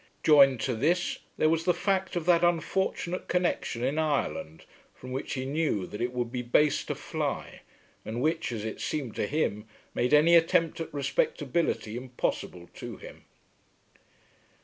Joined to this there was the fact of that unfortunate connection in Ireland from which he knew that it would be base to fly, and which, as it seemed to him, made any attempt at respectability impossible to him.